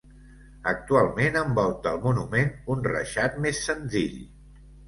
Actualment envolta al monument un reixat més senzill.